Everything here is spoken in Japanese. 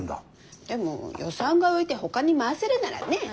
でも予算が浮いてほかに回せるならねえ。